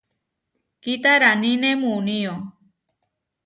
Kitaraníne muunío.